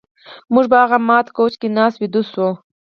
موږ په هغه مات کوچ کې ناست ویده شوي وو